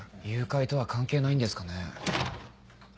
誘拐とは関係ないんですかね？